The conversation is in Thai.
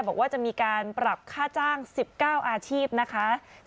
บอกว่าจะมีการปรับค่าจ้าง๑๙อาชีพนะคะ